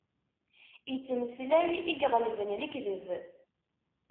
Ittmeslay, i iɣelben lekdeb.